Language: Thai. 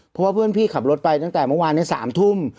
เพราะว่าเพื่อนพี่ขับรถไปตั้งแต่เมื่อวานใน๓ทุ่ม